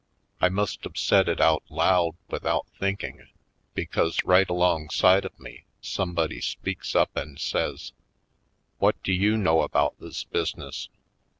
I must 've said it out loud without think ing, because right alongside me somebody speaks up and says : "What do you know about this business?"